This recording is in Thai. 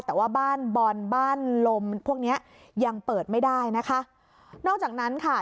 แต่ว่าบ้านบอลบ้านลมพวกเนี้ยยังเปิดไม่ได้นะคะนอกจากนั้นค่ะ